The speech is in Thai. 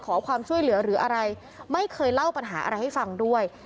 ขอความช่วยเหลือหรืออะไรไม่เคยเล่าปัญหาอะไรให้ฟังด้วย